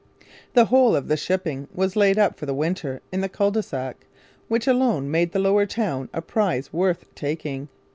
The whole of the shipping was laid up for the winter in the Cul de Sac, which alone made the Lower Town a prize worth taking.